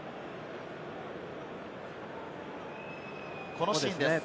このシーンです。